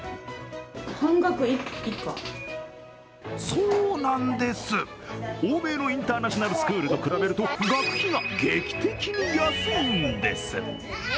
そうなんです、欧米のインターナショナルスクールと比べると学費が劇的に安いんです。